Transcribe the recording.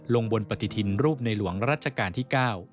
ลงบนปฏิทินรูปในหลวงรัชกาลที่๙